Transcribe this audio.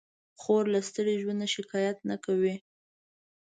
خور له ستړي ژوند نه شکایت نه کوي.